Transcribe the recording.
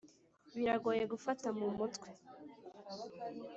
biragoye gufata mu mutwe